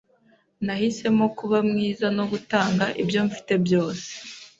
Nahisemo kuba mwiza no gutanga ibyo mfite byose.